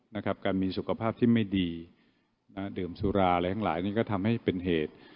นะครับการมีสุขภาพที่ไม่ดีนะดื่มสุราอะไรทั้งหลายนี่ก็ทำให้เป็นเหตุ